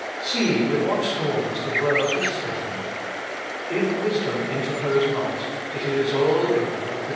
See with what storms the world is threatened. If wisdom interpose not it is all over with the priesthood."